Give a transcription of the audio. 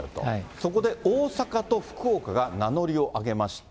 そこで大阪と福岡が名乗りを上げました。